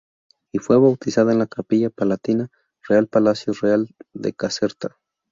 Y fue bautizada en la Capilla Palatina Real Palacio Real de Caserta.